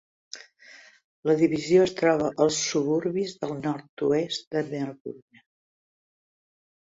La divisió es troba als suburbis del nord-oest de Melbourne.